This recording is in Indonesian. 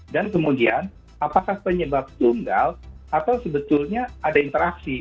dan kemudian apakah penyebab tunggal atau sebetulnya ada interaksi